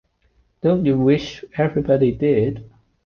Don't You Wish Everybody Did?